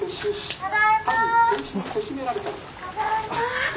・ただいま。